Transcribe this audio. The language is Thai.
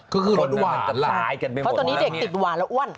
ก็คือรถหวานเพราะตอนนี้เด็กติดหวานแล้วอ้วน